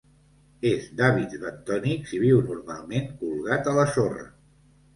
És d'hàbits bentònics i viu normalment colgat a la sorra.